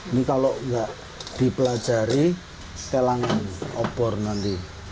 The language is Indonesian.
ini kalau nggak dipelajari selang obor nanti